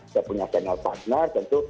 saya punya channel partner tentu